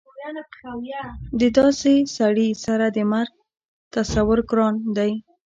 د داسې سړي سره د مرګ تصور ګران کار دی